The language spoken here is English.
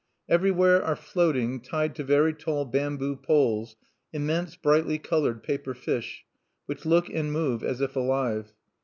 Everywhere are floating tied to very tall bamboo poles immense brightly colored paper fish, which look and move as if alive.